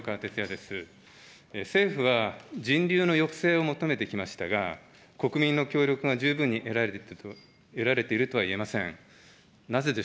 政府は、人流の抑制を求めてきましたが、国民の協力が十分に得られているとは言えません。